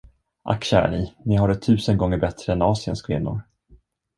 Ack kära ni, ni har det tusen gånger bättre än Asiens kvinnor!